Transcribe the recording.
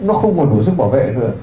nó không còn đủ sức bảo vệ nữa